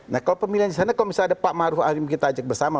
nah kalau pemilihan di sana kalau misalnya ada pak maruf amin kita ajak bersama